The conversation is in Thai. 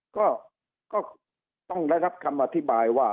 ก็ต้องได้รับคำอธิบายว่า